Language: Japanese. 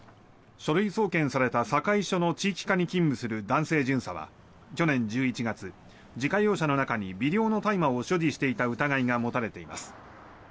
書類送検された堺署の地域課に勤務する男性巡査は去年１１月自家用車の中に微量の大麻を所持していた疑いが持たれています。